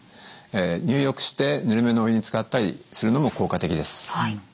入浴してぬるめのお湯につかったりするのも効果的です。